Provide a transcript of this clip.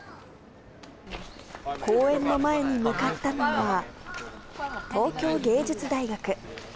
公演の前に向かったのは、東京藝術大学。